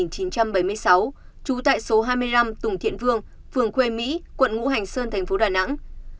trú tại số hai mươi năm tùng thiện vương phường quê mỹ quận ngũ hành sơn tp đà nẵng